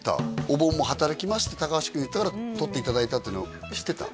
「お盆も働きます」って高橋君言ったから採っていただいたっていうの知ってた？